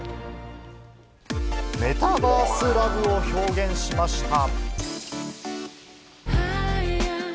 メタバースラブを表現しました。